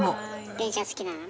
電車好きなのね。